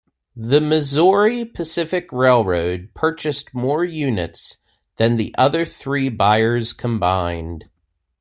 The Missouri Pacific Railroad purchased more units than the other three buyers combined.